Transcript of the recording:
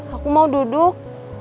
aku mau duduk